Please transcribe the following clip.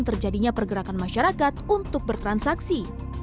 terjadinya pergerakan masyarakat untuk bertransaksi